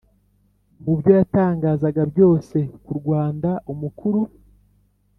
mu byo yatangazaga byose ku rwanda, umukuru